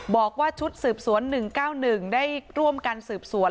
บอกว่าชุดสืบสวน๑๙๑ได้ร่วมกันสืบสวน